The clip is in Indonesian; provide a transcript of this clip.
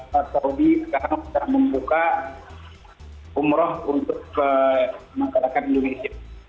arab saudi sekarang sudah membuka umroh untuk masyarakat indonesia